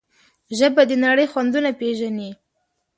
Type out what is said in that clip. ژبه د نړۍ خوندونه پېژني.